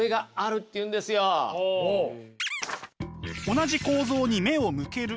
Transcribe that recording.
「同じ構造に目を向ける」。